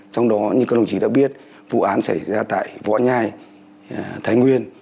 trong đó như các đồng chí đã biết vụ án xảy ra tại võ nhai thái nguyên